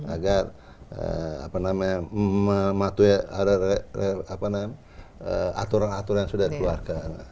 agar mematuhi aturan aturan yang sudah dikeluarkan